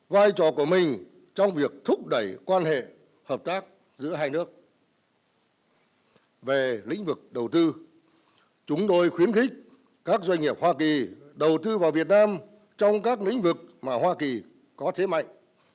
về lĩnh vực đầu tư chúng tôi khuyến khích các doanh nghiệp hoa kỳ đầu tư vào việt nam trong các lĩnh vực mà hoa kỳ có thế mạnh